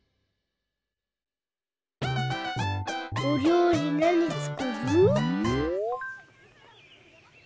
おりょうりなにつくる？